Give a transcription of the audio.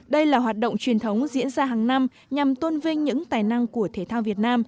đây là hoạt động truyền thống diễn ra hàng năm nhằm tôn vinh những tài năng của thể thao việt nam